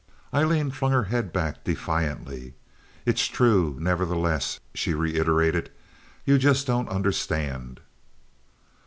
Aileen flung her head back defiantly. "It's true, nevertheless," she reiterated. "You just don't understand."